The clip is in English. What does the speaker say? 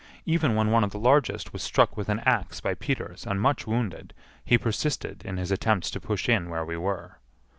Even when one of the largest was struck with an axe by Peters and much wounded, he persisted in his attempts to push in where we were.